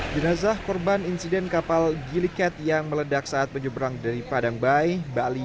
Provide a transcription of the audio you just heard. jenazah korban insiden kapal gili cat yang meledak saat menyeberang dari padang bayi bali